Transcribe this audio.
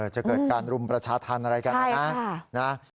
จะเกิดการรุมประชาธารณ์อะไรกันนะนะใช่ค่ะ